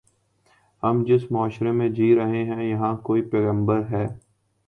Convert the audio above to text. ہم جس معاشرے میں جی رہے ہیں، یہاں کوئی پیغمبر ہے۔